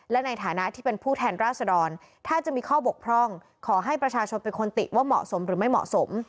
และในฐานะที่เป็นผู้แทนราษฎรถ้าจะมีข้อบกพร่องขอให้ประชาชนเป็นคนติว่าเหมาะสมหรือไม่เหมาะสม